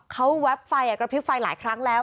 เขาแวบไฟกระพริบไฟหลายครั้งแล้ว